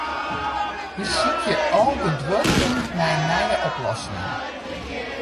Wy sykje algeduerigen nei nije oplossingen.